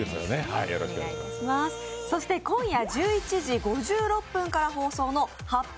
今夜１１時５６分から放送の「発表！